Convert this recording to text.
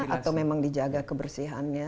atau memang dijaga kebersihannya